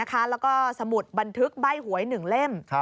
แล้วก็สมุดบันทึกใบ้หวย๑เล่ม